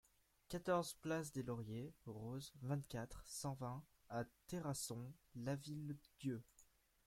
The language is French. quatorze place des Lauriers Roses, vingt-quatre, cent vingt à Terrasson-Lavilledieu